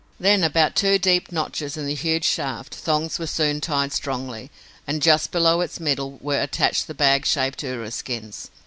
Then, about two deep notches in the huge shaft, thongs were soon tied strongly, and just below its middle were attached the bag shaped urus skins.